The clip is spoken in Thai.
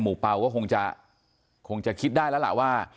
เปล่าก็คงจะคงจะคิดได้แล้วล่ะว่า